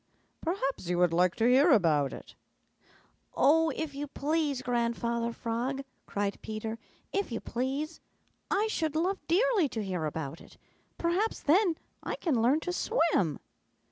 Perhaps you would like to hear about it." "Oh, if you please, Grandfather Frog," cried Peter. "If you please. I should love dearly to hear about it. Perhaps then I can learn to swim."